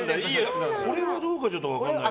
これはどうかちょっと分からないけど。